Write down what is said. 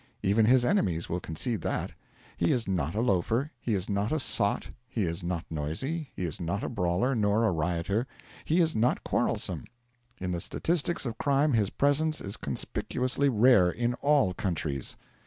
Even his enemies will concede that. He is not a loafer, he is not a sot, he is not noisy, he is not a brawler nor a rioter, he is not quarrelsome. In the statistics of crime his presence is conspicuously rare in all countries.